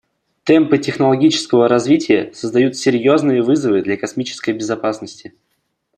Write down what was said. Темпы технологического развития создают серьезные вызовы для космической безопасности.